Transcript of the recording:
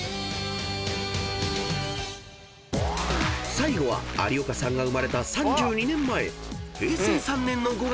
［最後は有岡さんが生まれた３２年前］